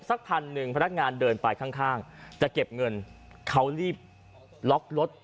สักพันหนึ่งพนักงานเดินไปข้างจะเก็บเงินเขารีบล็อกรถ